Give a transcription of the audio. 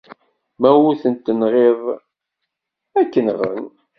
Ma ur tent-tenɣiḍ, ad k-nɣen.